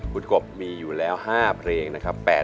คุณกบมีอยู่แล้ว๕เพลงนะครับ